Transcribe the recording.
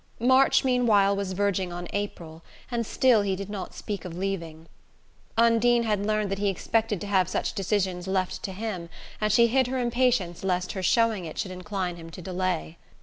March, meanwhile, was verging on April, and still he did not speak of leaving. Undine had learned that he expected to have such decisions left to him, and she hid her impatience lest her showing it should incline him to delay.